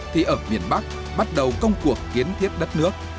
thì ở miền bắc bắt đầu công cuộc kiến thiết đất nước